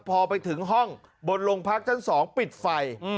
พอไปถึงห้องบนโรงพักชั้น๒ปิดไฟ